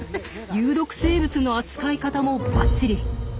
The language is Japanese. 有毒生物の扱い方もバッチリ。